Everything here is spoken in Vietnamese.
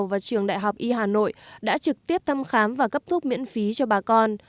và trường đại học y hà nội đã trực tiếp thăm khám và cấp thuốc miễn phí cho bà con